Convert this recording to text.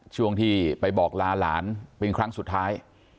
ช่วงที่ไปบอกลาหลานเป็นครั้งสุดท้าย